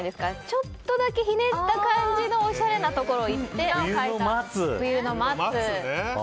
ちょっとだけひねった感じのおしゃれなところをいって冬の松。